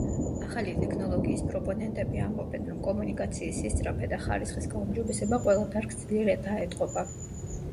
ახალი ტექნოლოგიის პროპონენტები ამბობენ, რომ კომუნიკაციის სისწრაფე და ხარისხის გაუმჯობესება ყველა დარგს ძლიერ დაეტყობა.